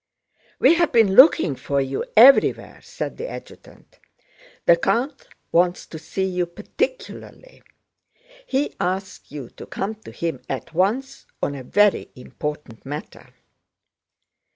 "We have been looking for you everywhere," said the adjutant. "The count wants to see you particularly. He asks you to come to him at once on a very important matter."